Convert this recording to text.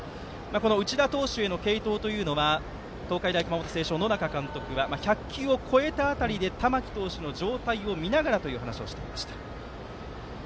内田投手への継投というのは東海大熊本星翔の野仲監督は１００球を超えた辺りで玉木投手の状態を見ながらという話をしていました。